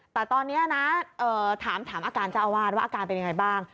แต่ตอนนี้นะถามอาการเจ้าอาวาสว่าอาการเป็นยังไงบ้าง